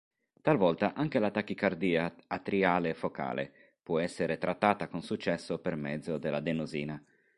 Talvolta anche la tachicardia atriale focale può essere trattata con successo per mezzo dell'adenosina.